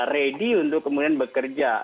ready untuk kemudian bekerja